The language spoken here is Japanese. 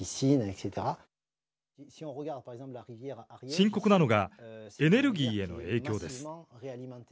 深刻なのがエネルギーへの影響です。